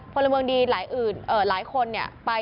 กระทั่งตำรวจก็มาด้วยนะคะ